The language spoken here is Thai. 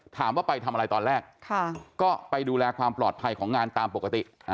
ถามว่าไปทำอะไรตอนแรกก็ไปดูแลความปลอดภัยของงานตามปกติ